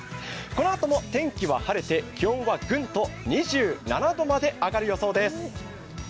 このあとも天気は晴れて気温はぐんと２７度まで上がる予想です。